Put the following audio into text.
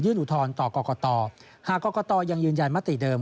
อุทธรณ์ต่อกรกตหากกรกตยังยืนยันมติเดิม